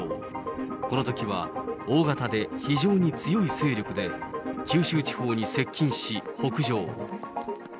このときは、大型で非常に強い勢力で、九州地方に接近し、北上。